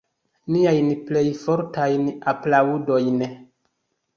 Niajn plej fortajn aplaŭdojn.